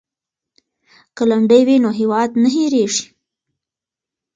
که لنډۍ وي نو هیواد نه هیریږي.